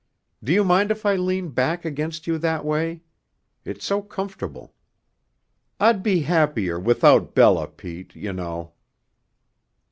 Do you mind if I lean back against you that way? It's so comfortable. I'd be happier without Bella, Pete, you know."